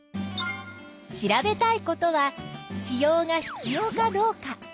調べたいことは子葉が必要かどうか。